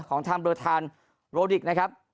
ของทางเบลอทานโรดิกนะครับ